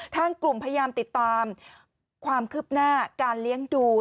ทางกลุ่มพยายามติดตามความคืบหน้าการเลี้ยงดู